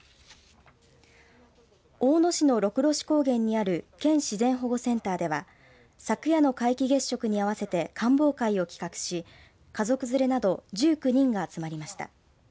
大野市の六呂師高原にある県自然保護センターでは昨夜の皆既月食に合わせて観望会を企画し家族連れなど１９人が集まりました。